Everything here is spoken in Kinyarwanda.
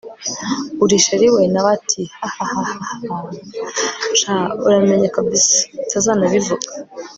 uri chr we! nawe ati hhahahahahaha! sha uramenye kabsa utazanabivuga